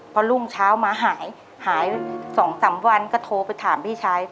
พอรุ่งเช้ามาหายหาย๒๓วันก็โทรไปถามพี่ชาย